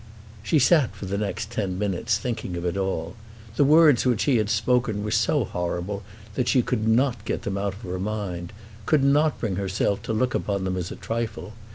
She sat for the next ten minutes thinking of it all. The words which he had spoken were so horrible that she could not get them out of her mind, could not bring herself to look upon them as a trifle.